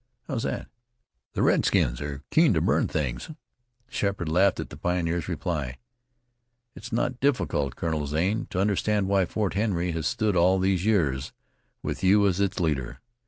"How's that?" "The redskins are keen to burn things." Sheppard laughed at the pioneer's reply. "It's not difficult, Colonel Zane, to understand why Fort Henry has stood all these years, with you as its leader.